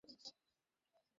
চলো আমার সাথে।